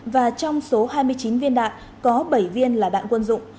và trong số hai mươi chín viên đạn có bảy viên là đạn quân dụng